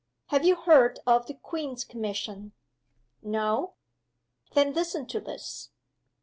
Have you heard of the Queen's Commission?" "No." "Then listen to this.